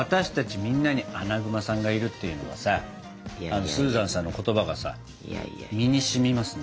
みんなにアナグマさんがいるっていうのもさスーザンさんの言葉がさ身にしみますね。